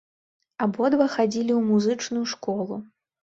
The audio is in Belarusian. Абодва хадзілі ў музычную школу.